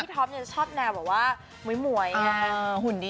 พ่อที่ท็อปชอบแนนแนะวว่าหุ้ยอย่างงี้